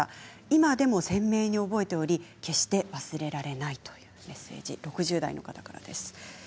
今でも鮮明に覚えており決して忘れられないというメッセージ６０代の方からです。